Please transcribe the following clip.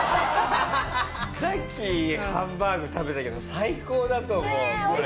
さっきハンバーグ食べたけど最高だと思うこれ。